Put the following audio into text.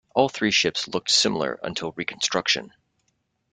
All three ships looked similar until reconstruction.